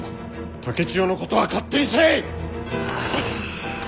竹千代のことは勝手にせい！